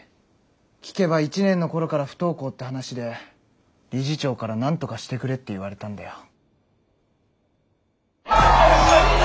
聞けば１年の頃から不登校って話で理事長からなんとかしてくれって言われたんだよ。